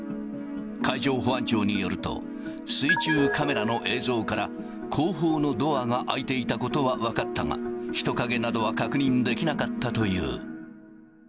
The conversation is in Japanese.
海上保安庁によると、水中カメラの映像から、後方のドアが開いていたことは分かったが、人影などは確認できなかったという。